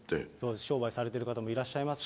お商売されてる方もいらっしゃいますしね。